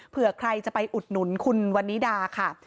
เผื่อใครจะไปอุดหนุนคุณวันนี้ดาค่ะ